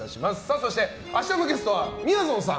そして、明日のゲストはみやぞんさん。